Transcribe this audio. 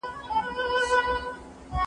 توره نښه د څه لپاره ده؟